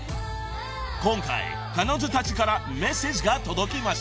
［今回彼女たちからメッセージが届きました］